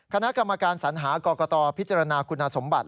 คณะกรรมการสัญหากรกตพิจารณาคุณสมบัติ